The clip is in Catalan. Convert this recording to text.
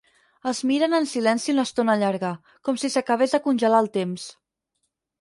Es miren en silenci una estona llarga, com si s'acabés de congelar el temps.